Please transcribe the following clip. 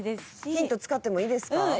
ヒント使ってもいいですか？